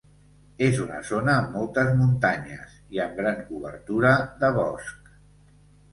És una zona amb moltes muntanyes i amb gran cobertura de bosc.